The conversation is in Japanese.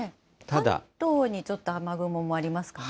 関東にちょっと雨雲もありますかね。